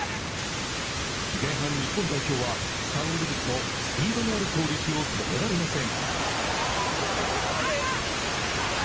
前半、日本代表はサンウルブズのスピードのある攻撃を止められません。